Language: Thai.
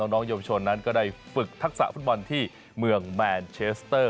น้องเยาวชนนั้นก็ได้ฝึกทักษะฟุตบอลที่เมืองแมนเชสเตอร์